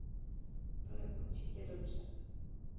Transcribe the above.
To je určitě dobře.